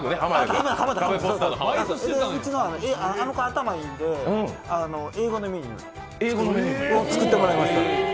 あの子、頭いいので、英語のメニューを作ってもらいました。